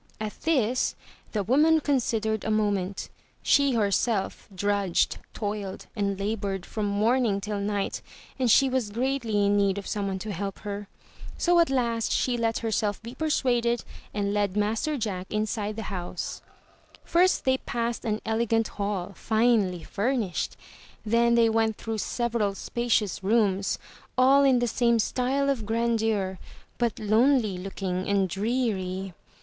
At this the woman considered a moment. She herself drudged, toiled and labored from morning till night and she was greatly in need of someone to help her. So at last she let herself be persuaded and led Master Jack inside the house 377 MY BOOK HOUSE First they passed an elegant hall, finely furnished; then they went through several spacious rooms, all in the same style of grandeur, but lonely looking and dreary.